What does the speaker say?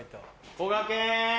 こがけん！